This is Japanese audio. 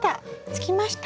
つきました。